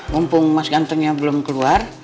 mumpung mas gantengnya belum keluar